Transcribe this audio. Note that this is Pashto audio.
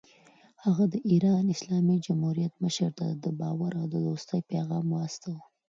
هغه د ایران اسلامي جمهوریت مشر ته د باور او دوستۍ پیغام واستاوه.